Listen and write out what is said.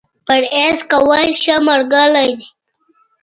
پرهېز کول ، ښه ملګری دی.